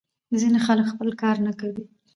ځینې خلک خپله کار نه کوي.